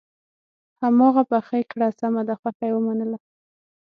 هماغه پخې کړه سمه ده خوښه یې ومنله.